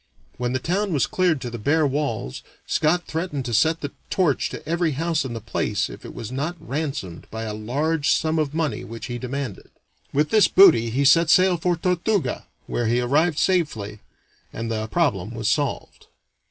When the town was cleared to the bare walls Scot threatened to set the torch to every house in the place if it was not ransomed by a large sum of money which he demanded. With this booty he set sail for Tortuga, where he arrived safely and the problem was solved.